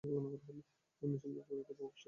উন্নয়নশীল দেশগুলোতে অপুষ্টির ঘটনা বেশি সাধারণ।